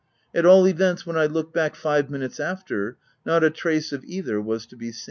At all events, when I looked back, five minutes after, not a trace of either was to be seen.